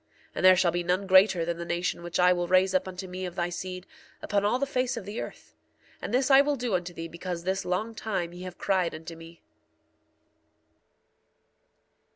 And there shall be none greater than the nation which I will raise up unto me of thy seed, upon all the face of the earth. And thus I will do unto thee because this long time ye have cried unto me.